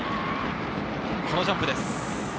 このジャンプです。